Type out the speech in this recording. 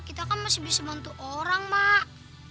kita kan masih bisa bantu orang mak